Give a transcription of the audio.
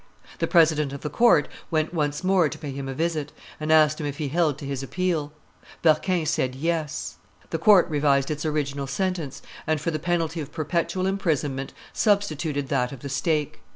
The president of the court went once more to pay him a visit, and asked him if he held to his appeal. Berquin said, "Yes." court revised its original sentence, and for the penalty of perpetual imprisonment substituted that of the stake.